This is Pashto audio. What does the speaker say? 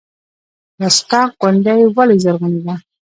رستاق غونډۍ ولې زرغونې دي؟